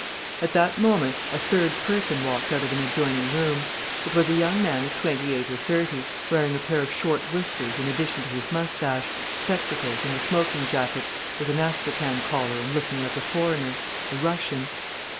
At that moment a third person walked out of an adjoining room. It was a young man of twenty eight or thirty, wearing a pair of short whiskers in addition to his moustache, spectacles, and a smoking jacket with an astrakhan collar and looking like a foreigner, a Russian.